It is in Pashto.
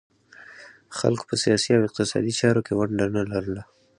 خلکو په سیاسي او اقتصادي چارو کې ونډه نه لرله